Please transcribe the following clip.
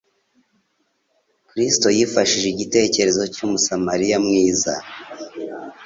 Kristo yifashishije igitekerezo cy'Umusamariya mwiza!,